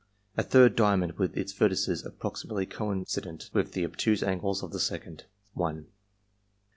A third diamond with its vertices approximately coincident with the obtuse angles of the second 1 3.